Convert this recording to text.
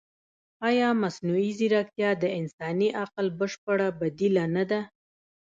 ایا مصنوعي ځیرکتیا د انساني عقل بشپړه بدیله نه ده؟